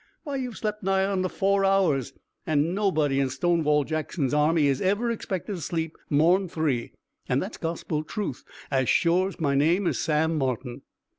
Why, you've slept nigh on to four hours, and nobody in Stonewall Jackson's army is ever expected to sleep more'n three and that's gospel truth, as shore's my name is Sam Martin."